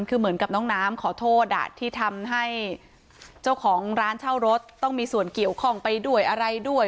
คือเหมือนกับน้องน้ำขอโทษที่ทำให้เจ้าของร้านเช่ารถต้องมีส่วนเกี่ยวข้องไปด้วยอะไรด้วย